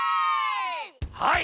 はい。